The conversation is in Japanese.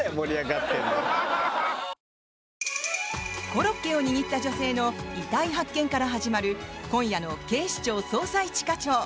コロッケを握った女性の遺体発見から始まる今夜の「警視庁・捜査一課長」。